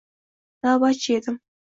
Navbatchi edim.